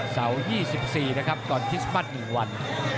เสาร์๒๔นะครับก่อนพิสมัติอีกวัน